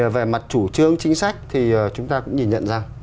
về mặt chủ trương chính sách thì chúng ta cũng nhìn nhận ra